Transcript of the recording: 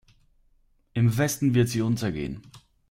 Im Westen wird sie untergehen.